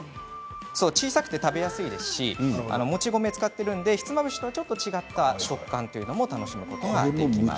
小さくて食べやすいですし餅米を使っているのでひつまぶしとはちょっと違った食感というのを楽しむことができます。